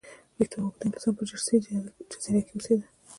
ویکتور هوګو د انګلستان په جرسي جزیره کې اوسېده.